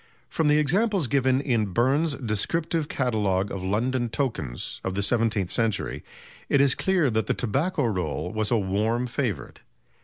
From the examples given in Burn's "Descriptive Catalogue of London Tokens" of the seventeenth century, it is clear that the "Tobacco Roll" was a warm favourite.